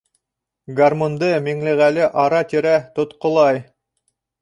Гармунды Миңлеғәле ара-тирә тотҡолай.